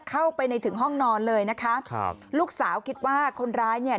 เข้าไปในถึงห้องนอนเลยนะคะครับลูกสาวคิดว่าคนร้ายเนี่ย